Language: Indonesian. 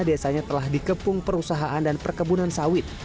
desanya telah dikepung perusahaan dan perkebunan sawit